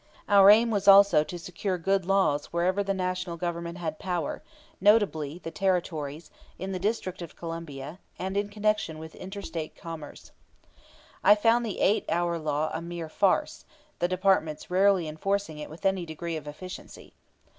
Our aim was also to secure good laws wherever the National Government had power, notably in the Territories, in the District of Columbia, and in connection with inter State commerce. I found the eight hour law a mere farce, the departments rarely enforcing it with any degree of efficiency.